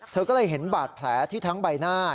เธอก็เลยเห็นบาดแผลที่ทั้งใบหน้า